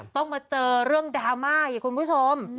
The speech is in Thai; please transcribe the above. ต้องมาเจอเรื่องดราม่าอีกคุณผู้ชม